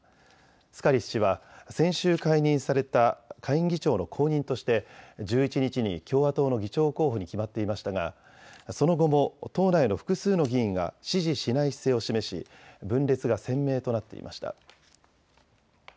スカリス氏は先週解任された下院議長の後任として１１日に共和党の議長候補に決まっていましたがその後も党内の複数の議員が支持しない姿勢を示し分裂が鮮明となっていました。